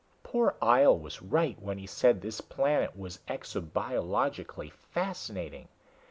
"Poor Ihjel was right when he said this planet was exobiologically fascinating.